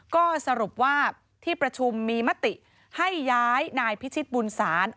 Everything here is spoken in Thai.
ก็สรุปว่าที่ประชุมมีมติให้ย้ายนายพิชิตบุญศาล